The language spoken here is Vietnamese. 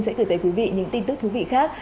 sẽ gửi tới quý vị những tin tức thú vị khác